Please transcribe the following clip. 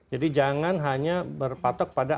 jadi jangan hanya berpatok pada